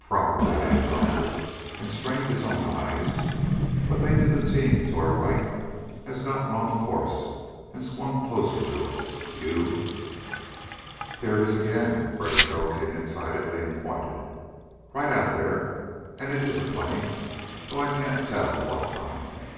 "Probably," Dave grunted, and strained his own eyes. "But maybe the team to our right has gotten off course and swung closer to us. You " "There it is again!" Freddy broke in excitedly, and pointed. "Right out there. And it is a plane, though I can't tell what kind."